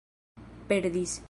perdis